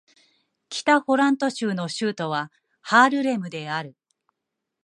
北ホラント州の州都はハールレムである